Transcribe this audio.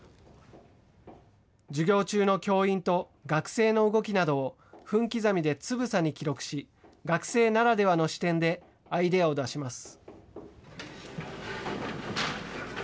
授業中の教員と学生の動きなどを分刻みでつぶさに記録し、学生ならではの視点でアイデアを出します。